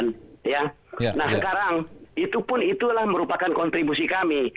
nah sekarang itupun itulah merupakan kontribusi kami